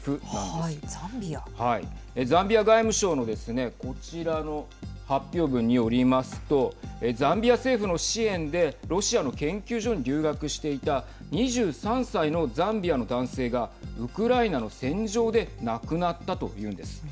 ザンビア外務省のですねこちらの発表文によりますとザンビア政府の支援でロシアの研究所に留学していた２３歳のザンビアの男性がウクライナの戦場で亡くなったと言うんです。